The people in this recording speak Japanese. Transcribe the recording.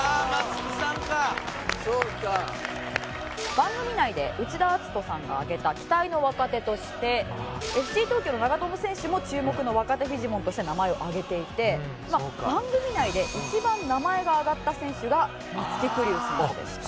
番組内で内田篤人さんが挙げた期待の若手としてＦＣ東京の長友選手も注目の若手フィジモンとして名前を挙げていて番組内で一番名前が挙がった選手が松木玖生選手でした。